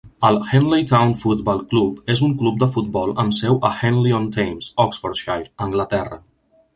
El Henley Town Football Club és un club de futbol amb seu a Henley-on-Thames, Oxfordshire, Anglaterra.